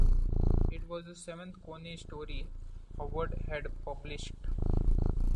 It was the seventh Conan story Howard had published.